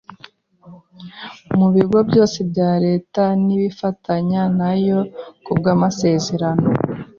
Mu bigo byose bya Leta n’ibifatanya nayo ku bw’amasezerano,